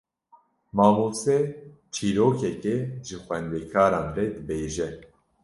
Mamoste çîrokekê ji xwendekaran re dibêje.